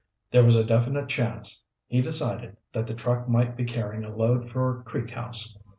There was a definite chance, he decided, that the truck might be carrying a load for Creek House.